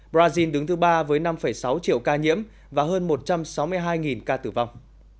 brazil đứng thứ ba với năm sáu triệu ca nhiễm và hơn một trăm sáu mươi hai ca tử vong